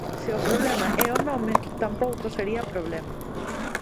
Se o problema é o nome, tampouco sería problema.